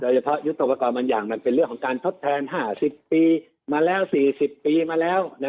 เฉพาะยุทธปกรณ์บางอย่างมันเป็นเรื่องของการทดแทน๕๐ปีมาแล้ว๔๐ปีมาแล้ว